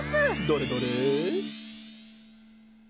どれどれ？